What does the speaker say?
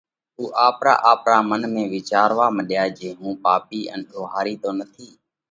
اُو آپرا آپرا منَ ۾ وِيچاروا مڏيا جي هُون پاپِي ان ۮوهارِي تو نٿِي؟